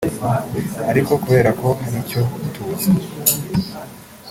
aliko kubera ko hari icyo tubuze